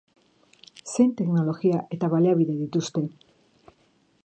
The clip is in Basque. Zein teknologia eta baliabide dituzte?